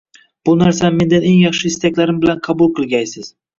Bu narsani mendan eng yaxshi istaklarim bilan qabul qilgaysiz!